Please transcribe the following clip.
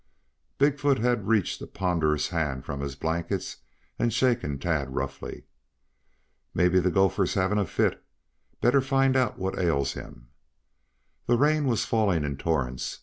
Big foot had reached a ponderous hand from his blankets and shaken Tad roughly. "Mebby the gopher's having a fit. Better find out what ails him." The rain was falling in torrents.